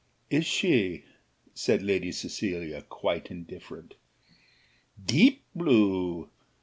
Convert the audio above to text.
"Is she?" said Lady Cecilia, quite indifferent. "Deep blue!